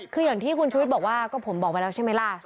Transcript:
คืออย่างที่คุณชุวิตบอกว่าก็ผมบอกไว้แล้วใช่ไหมล่ะ